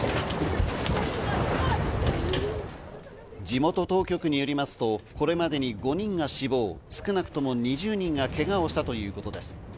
地元当局によりますと、これまでに５人が死亡、少なくとも２０人がけがをしたということです。